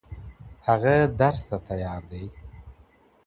هغه درس ته تیار دی